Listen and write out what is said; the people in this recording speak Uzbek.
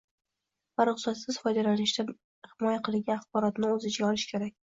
va ruxsatsiz foydalanishdan himoya qilingan axborotni o‘z ichiga olishi kerak.